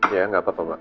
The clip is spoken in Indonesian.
ya gak apa apa mbak